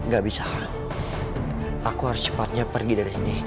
gak bisa aku harus cepatnya pergi dari sini